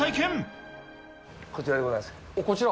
こちらでございます。